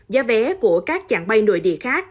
giá vé của các chặng bay nội địa khác